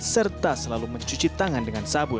serta selalu mencuci tangan dengan sabun